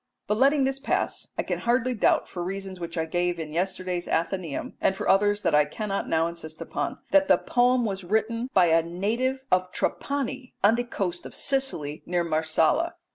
But letting this pass, I can hardly doubt, for reasons which I gave in yesterday's Athenaeum, and for others that I cannot now insist upon, that the poem was written by a native of Trapani on the coast of Sicily, near Marsala.